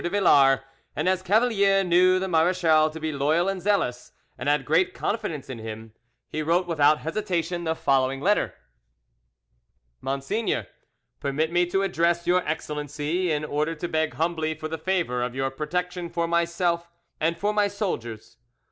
de Villars, and as Cavalier knew the marechal to be loyal and zealous, and had great confidence in him, he wrote without any hesitation the following letter: "MONSEIGNEUR,—Permit me to address your Excellency in order to beg humbly for the favour of your protection for myself and for my soldiers.